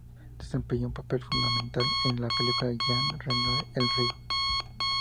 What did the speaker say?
Desempeñó un papel fundamental en la película de Jean Renoir "El río".